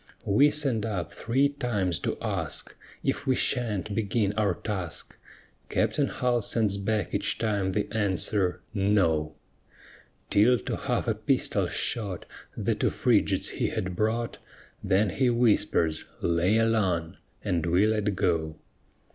We send up three times to ask If we sha'n't begin our task? Captain Hull sends back each time the answer No; Till to half a pistol shot The two frigates he had brought, Then he whispers, Lay along! and we let go.